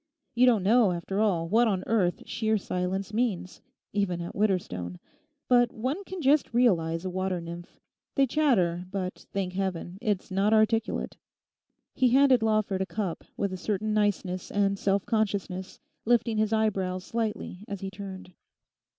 You don't know, after all, what on earth sheer silence means—even at Widderstone. But one can just realize a water nymph. They chatter; but, thank Heaven, it's not articulate.' He handed Lawford a cup with a certain niceness and self consciousness, lifting his eyebrows slightly as he turned.